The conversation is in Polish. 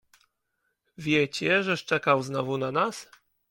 "Wiecie, że szczekał znowu na nas?"